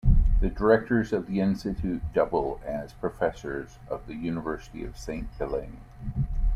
The directors of the institutes double as professors of the University of Saint Gallen.